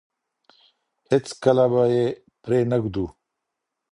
هېڅکله به يې پرې نه ږدو.